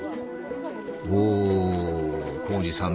おお紘二さん